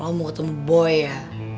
lo mau ketemu boy ya